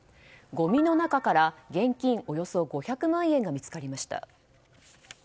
ごみの中から現金およそ５００万円が見つかりました。